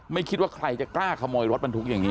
ไม่คิดว่าใครจะกล้าขโมยรถบรรทุกอย่างนี้